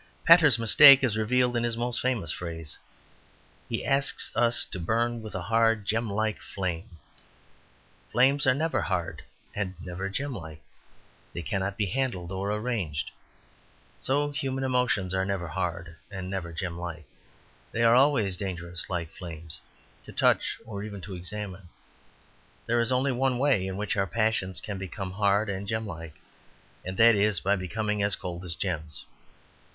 Pater's mistake is revealed in his most famous phrase. He asks us to burn with a hard, gem like flame. Flames are never hard and never gem like they cannot be handled or arranged. So human emotions are never hard and never gem like; they are always dangerous, like flames, to touch or even to examine. There is only one way in which our passions can become hard and gem like, and that is by becoming as cold as gems.